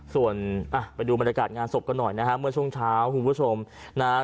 ส่วนอ่ะไปดูบรรยากาศงานศพกันหน่อยนะฮะเมื่อช่วงเช้าคุณผู้ชมนะฮะ